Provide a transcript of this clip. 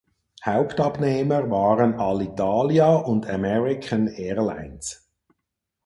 Hauptabnehmer waren Alitalia und American Airlines.